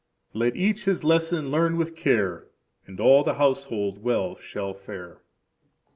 Let each his lesson learn with care, And all the household well shall fare.